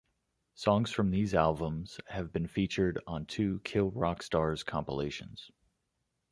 Songs from these albums have also been featured on two Kill Rock Stars compilations.